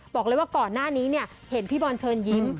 บอกเลยว่าก่อนหน้านี้เห็นพี่บอลเชิญยิ้ม